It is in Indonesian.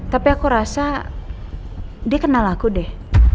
tapi aku rasa dia kenal aku deh